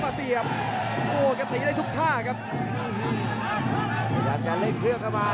พยายามจะเล็กเครื่องเข้ามา